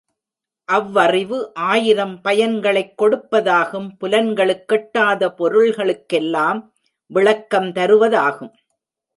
அவ்வறிவு ஆயிரம் பயன்களைக் கொடுப்பதாகும் புலன்களுக்கெட்டாத பொருள்களுக்கெல்லாம் விளக்கம் தருவதாகும்.